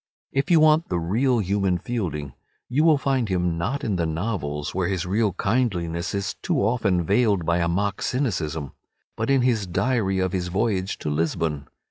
If you want the real human Fielding you will find him not in the novels, where his real kindliness is too often veiled by a mock cynicism, but in his "Diary of his Voyage to Lisbon."